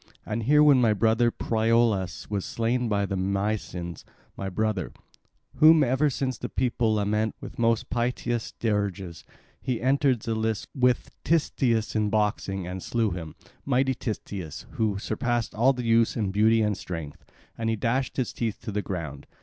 And here, when my brother Priolas was slain by the Mysians—my brother, whom ever since the people lament with most piteous dirges—he entered the lists with Titias in boxing and slew him, mighty Titias, who surpassed all the youths in beauty and strength; and he dashed his teeth to the ground.